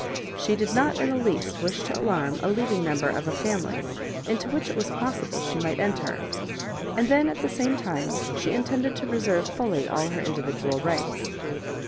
She did not in the least wish to alarm a leading member of a family into which it was possible she might .enter; and then at the same time she intended to reserve fully lUl her individual rights.